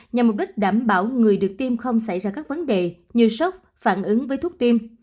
nhằm mục đích đảm bảo người được tiêm không xảy ra các vấn đề như sốc phản ứng với thuốc tim